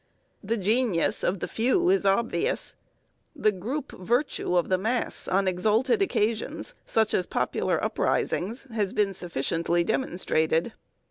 The genius of the few is obvious; the group virtue of the mass on exalted occasions, such as popular uprisings, has been sufficiently demonstrated.